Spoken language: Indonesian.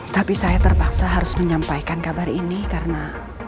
tapi saya terpaksa harus menyampaikan kabar ini karena